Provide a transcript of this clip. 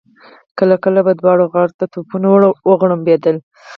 کله کله به دواړو غاړو ته توپونه وغړمبېدل.